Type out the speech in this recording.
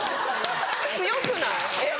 強くない？